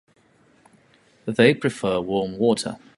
They prefer warm water.